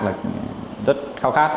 là rất khó khăn